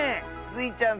スイちゃん